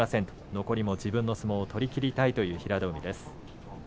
残りも自分の相撲を取りきりたいという平戸海です。